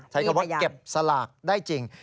ใช้คำว่าเก็บสลากได้จริง